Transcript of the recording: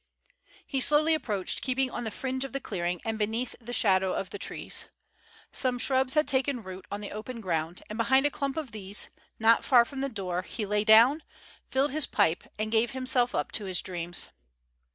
He slowly approached, keeping on the fringe of the clearing and beneath the shadow of the trees. Some shrubs had taken root on the open ground, and behind a clump of these, not far from the door, he lay down, filled his pipe, and gave himself up to his dreams.